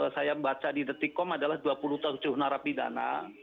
saya baca di detikom adalah dua puluh tujuh narapidana